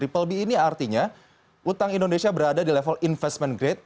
people b ini artinya utang indonesia berada di level investment grade